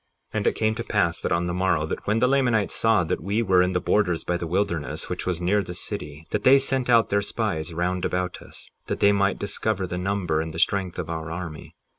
58:14 And it came to pass that on the morrow, that when the Lamanites saw that we were in the borders by the wilderness which was near the city, that they sent out their spies round about us that they might discover the number and the strength of our army.